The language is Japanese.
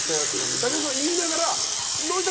武田さんは言いながら泣いた！